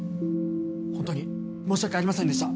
ホントに申し訳ありませんでした